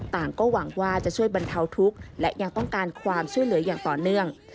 ต่างก็หวังว่าจะช่วยบรรเทาทุกข์และยังต้องการความช่วยเหลืออย่างต่อเนื่อง